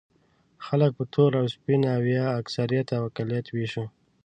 خلک په تور او سپین او یا اکثریت او اقلیت وېشو.